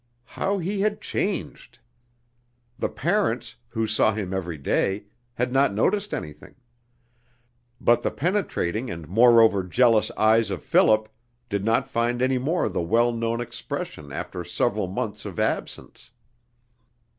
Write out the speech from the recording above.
How he had changed! The parents, who saw him every day, had not noticed anything; but the penetrating and moreover jealous eyes of Philip did not find any more the well known expression after several months of absence.